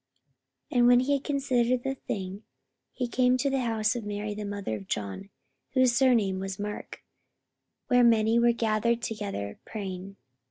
44:012:012 And when he had considered the thing, he came to the house of Mary the mother of John, whose surname was Mark; where many were gathered together praying.